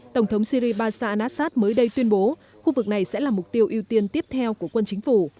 tổng thống syri basa anasat mới đây tuyên bố khu vực này sẽ là mục tiêu ưu tiên tiếp theo của quân chính phủ